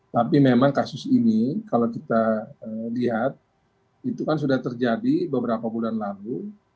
tapi memang kasus ini kalau kita lihat itu kan sudah terjadi beberapa bulan lalu